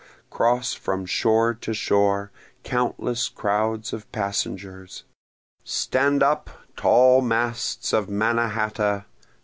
Cross from shore to shore, countless crowds of passengers! Stand up, tall masts of Mannahatta!